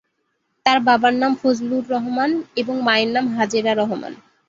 তার বাবার নাম ফজলুর রহমান এবং মায়ের নাম হাজেরা রহমান।